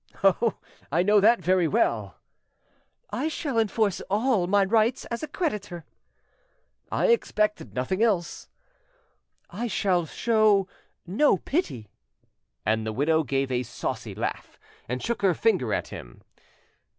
"Oh, I know that very well." "I shall enforce all my rights as a creditor." "I expect nothing else." "I shall show no pity." And the widow gave a saucy laugh and shook her finger at him.